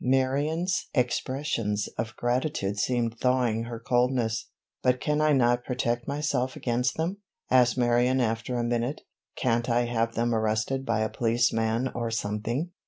Marion's expressions of gratitude seemed thawing her coldness. "But can I not protect myself against them?" asked Marion, after a minute. "Can't I have them arrested by a policeman or something?"